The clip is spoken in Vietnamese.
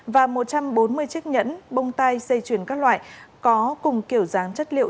và một trăm bốn mươi chiếc nhẫn bông tai dây chuyền các loại có cùng kiểu dáng chất liệu